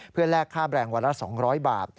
เพื่อแลกค่าแบรนด์วันละ๒๐๐บาท